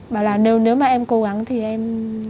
bảo là nếu mà em cố gắng thì em